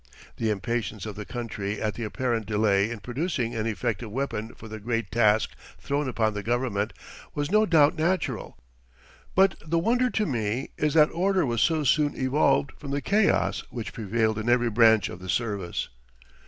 The impatience of the country at the apparent delay in producing an effective weapon for the great task thrown upon the Government was no doubt natural, but the wonder to me is that order was so soon evolved from the chaos which prevailed in every branch of the service.